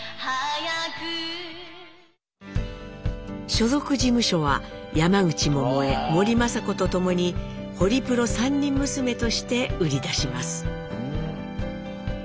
所属事務所は山口百恵森昌子とともに「ホリプロ３人娘」として売り出します。